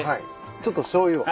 ちょっとしょうゆを。